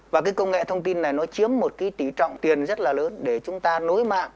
và cái công nghệ thông tin này nó chiếm một cái tỷ trọng tiền rất là lớn để chúng ta nối mạng